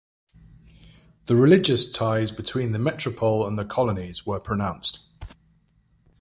The religious ties between the metropole and the colonies were pronounced.